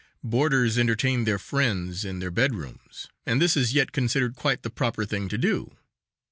Boarders entertained their friends in their bedrooms and this is yet considered quite the proper thing to do.